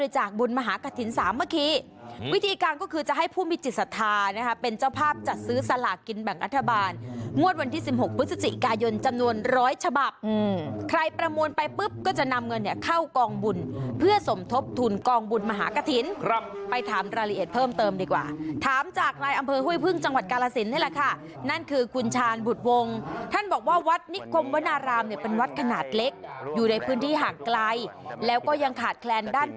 จากบุญมหากฐินสามเมื่อกี้วิธีการก็คือจะให้ผู้มีจิตศาสตร์เป็นเจ้าภาพจัดซื้อสลากินแบ่งอัธบาลงวดวันที่๑๖พฤศจิกายนจำนวน๑๐๐ฉบับใครประมวลไปปุ๊บก็จะนำเงินเข้ากองบุญเพื่อสมทบทุนกองบุญมหากฐินไปถามรายละเอียดเพิ่มเติมดีกว่าถามจากรายอำเภอห้วยพึ่งจังหวัดกาลสินน